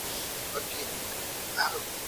په مصنوعي ویډیو کې حرکتونه غیر طبیعي ښکاري.